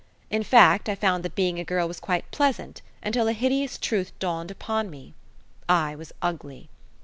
In fact, I found that being a girl was quite pleasant until a hideous truth dawned upon me I was ugly!